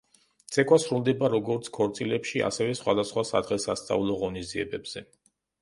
ცეკვა სრულდება, როგორც ქორწილებში ასევე სხვადასხვა სადღესასწაულო ღონისძიებებზე.